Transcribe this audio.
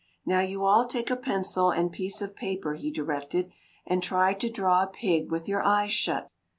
"Now you all take a pencil and piece of paper," he directed, "and try to draw a pig with your eyes shut."